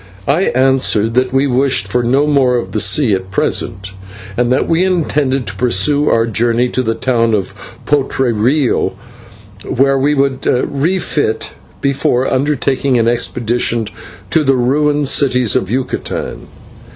I answered that we wished for no more of the sea at present, and that we intended to pursue our journey to the town of Potrerillo, where we could refit before undertaking an expedition to the ruined cities of Yucatan.